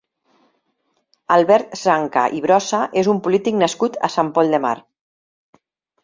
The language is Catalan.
Albert Zanca i Brossa és un polític nascut a Sant Pol de Mar.